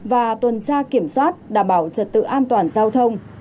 và tuần tra kiểm soát đảm bảo trật tự an toàn giao thông